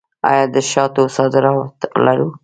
آیا د شاتو صادرات لرو؟